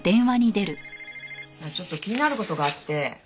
ちょっと気になる事があって。